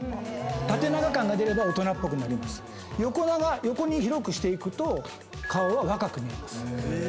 縦長感が出れば大人っぽく横長横に広くしていくと顔は若く見えます。